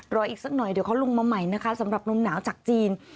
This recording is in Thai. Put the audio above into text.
อีกสักหน่อยเดี๋ยวเขาลงมาใหม่นะคะสำหรับลมหนาวจากจีน